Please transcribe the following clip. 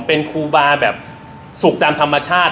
เป็นครูบาแบบศุกรษรรามธรรมชาติ